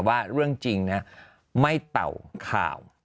ว่าเรื่องจริงไม่เต่าข่าว